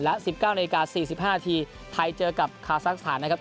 และสิบเก้านาฬิกาสี่สิบห้านาทีไทยเจอกับคาซักสถานนะครับ